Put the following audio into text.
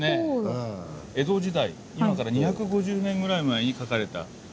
江戸時代今から２５０年ぐらい前に描かれた。